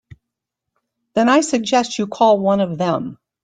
Then I suggest you call one of them.